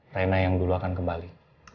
rena yang dulu akan kembali